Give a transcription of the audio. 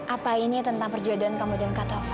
apa ini tentang perjodohan kamu dengan kak tovan